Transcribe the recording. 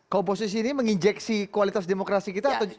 komposisi ini menginjeksi kualitas demokrasi kita atau